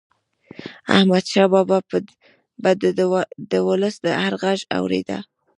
احمدشاه بابا به د ولس هر ږغ اورېده.